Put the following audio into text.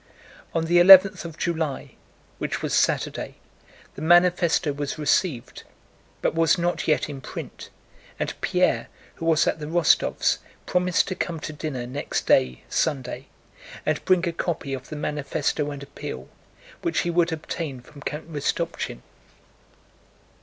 On the eleventh of July, which was Saturday, the manifesto was received but was not yet in print, and Pierre, who was at the Rostóvs', promised to come to dinner next day, Sunday, and bring a copy of the manifesto and appeal, which he would obtain from Count Rostopchín.